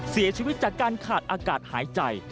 เสียชีวิตจากการขาดอากาศหายใจ